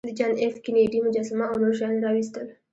د جان ایف کینیډي مجسمه او نور شیان یې راویستل